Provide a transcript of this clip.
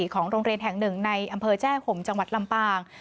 ของโรงเรียนแห่งหนึ่งในอำเภอแจ้ห่มจังหวัดลำปาง